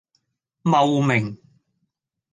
茂名